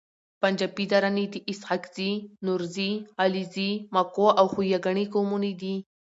پنجپاي دراني د اسحاقزي، نورزي، علیزي، ماکو او خوګیاڼي قومونو دي